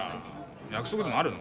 約束でもあるの？